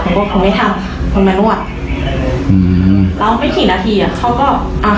หนูก็พอไม่ทำหนูมานวดอืมแล้วไม่กี่นาทีอ่ะเขาก็อ่ะ